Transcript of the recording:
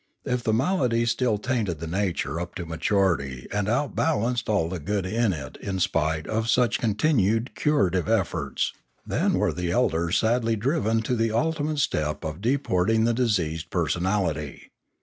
If the malady still tainted the nature up to maturity and outbalanced all the good in it in spite of such continued curative efforts, then were the elders sadly driven to the ultimate step of deporting the diseased personality.